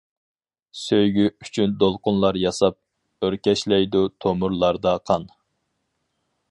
سۆيگۈ ئۈچۈن دولقۇنلار ياساپ، ئۆركەشلەيدۇ تومۇرلاردا قان.